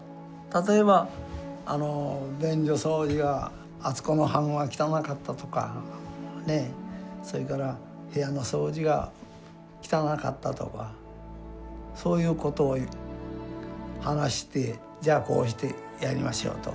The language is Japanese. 例えばあの便所掃除はあそこの班は汚かったとかそれから部屋の掃除が汚かったとかそういうことを話してじゃあこうしてやりましょうと。